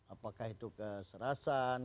apakah itu ke serasan